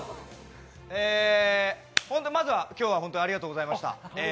え、まずは今日はありがとうございました。